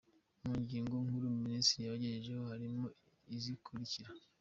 Mu ngingo nkuru Minisitiri yabagejejeho harimo izikurikira :.